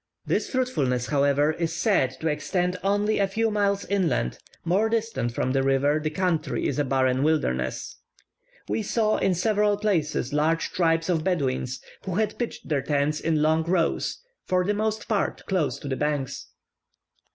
This fruitfulness, however, is said to extend only a few miles inland: more distant from the river the country is a barren wilderness. We saw in several places large tribes of Bedouins, who had pitched their tents in long rows, for the most part close to the banks.